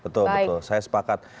betul betul saya sepakat